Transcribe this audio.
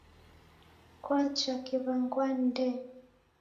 Kwacha kewangwa ni ndee.